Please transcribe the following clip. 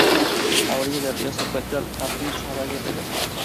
A orillas del río se encuentra el camping Savage River.